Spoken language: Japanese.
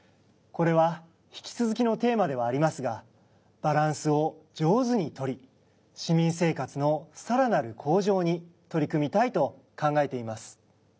これは引き続きのテーマではありますがバランスを上手にとり市民生活のさらなる向上に取り組みたいと考えています。